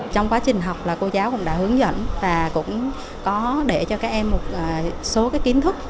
trong quá trình học là cô giáo cũng đã hướng dẫn và cũng có để cho các em một số kiến thức